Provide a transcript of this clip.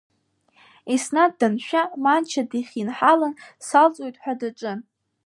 Еснаҭ даншәа Манча дихьынҳалан, салҵуеит ҳәа даҿын.